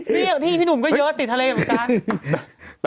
นี่ที่พี่หนุ่มก็เยอะติดทะเลเหมือนกัน